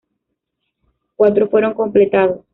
Cuatro fueron completados.